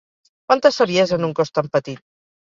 Quanta saviesa en un cos tan petit!